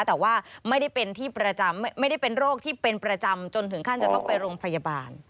แต่ว่าไม่ได้เป็นโรคที่เป็นประจำจนถึงขั้นจะต้องไปโรงพยาบาล